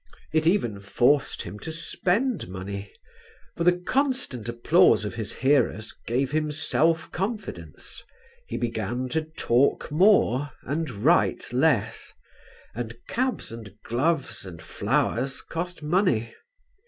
It even forced him to spend money; for the constant applause of his hearers gave him self confidence. He began to talk more and write less, and cabs and gloves and flowers cost money.